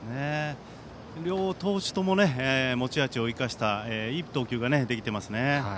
両投手とも持ち味を生かしたいい投球ができていますね。